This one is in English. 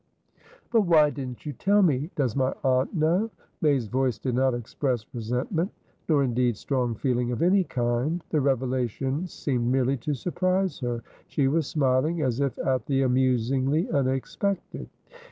"But why didn't you tell me? Does my aunt know?" May's voice did not express resentment, nor, indeed, strong feeling of any kind. The revelation seemed merely to surprise her. She was smiling, as if at the amusingly unexpected.